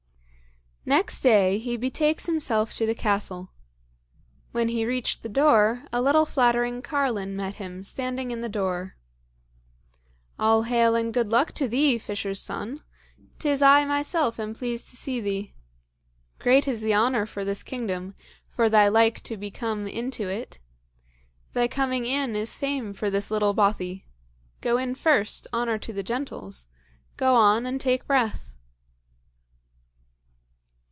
Next day he betakes himself to the castle. When he reached the door, a little flattering carlin met him standing in the door. "All hail and good luck to thee, fisher's son; 'tis I myself am pleased to see thee; great is the honour for this kingdom, for thy like to be come into it thy coming in is fame for this little bothy; go in first; honour to the gentles; go on, and take breath."